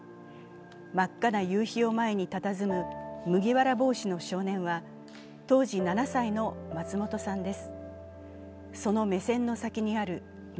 真っ赤な夕日を前にたたずむ麦わら帽子の少年は当時７歳の松本さんです。